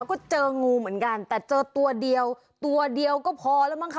ก็เจองูเหมือนกันแต่เจอตัวเดียวตัวเดียวก็พอแล้วมั้งค่ะ